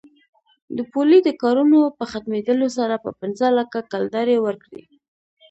د پولې د کارونو په ختمېدلو سره به پنځه لکه کلدارې ورکړي.